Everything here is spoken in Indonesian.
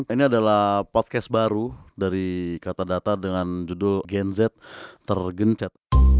ini adalah podcast baru dari kata data dengan judul gen z tergencet